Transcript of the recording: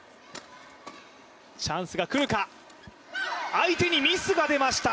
相手にミスが出ました。